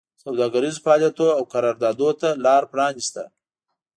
سوداګریزو فعالیتونو او قراردادونو ته لار پرانېسته